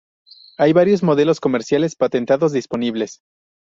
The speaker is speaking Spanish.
Hay varios modelos comerciales patentados disponibles.